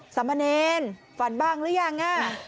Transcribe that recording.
สามเณรฝันบ้างหรือยัง